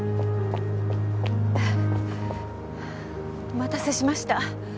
お待たせしました。